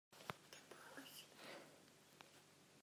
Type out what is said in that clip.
Sathau ei cu hrial i zuam ding a si.